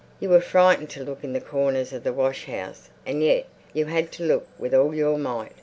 You were frightened to look in the corners of the washhouse, and yet you had to look with all your might.